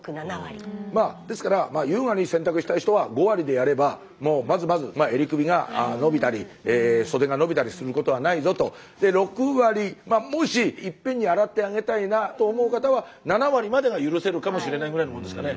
まあですから優雅に洗濯したい人は５割でやればもうまずまず襟首が伸びたり袖が伸びたりすることはないぞと。で６割もしいっぺんに洗ってあげたいなと思う方は７割までが許せるかもしれないぐらいのもんですかね。